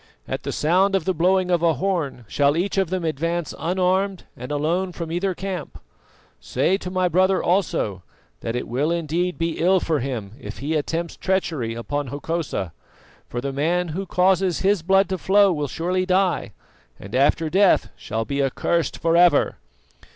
At the sound of the blowing of a horn shall each of them advance unarmed and alone from either camp. Say to my brother also that it will indeed be ill for him if he attempts treachery upon Hokosa, for the man who causes his blood to flow will surely die, and after death shall be accursed for ever."